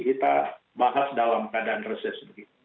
kita bahas dalam keadaan reses begitu